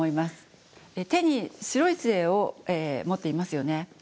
手に白い杖を持っていますよね。